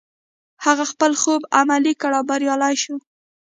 هغه خپل خوب عملي کړ او بريالی شو.